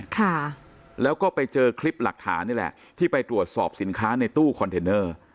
ค่ะแล้วก็ไปเจอคลิปหลักฐานนี่แหละที่ไปตรวจสอบสินค้าในตู้คอนเทนเนอร์